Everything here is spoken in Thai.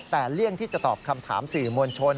แต่เลี่ยงที่จะตอบคำถามสื่อมวลชน